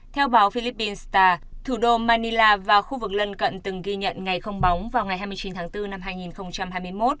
theo báo philippines star thủ đô manila và khu vực lân cận từng ghi nhận ngày không bóng vào ngày hai mươi chín tháng bốn năm hai nghìn hai mươi một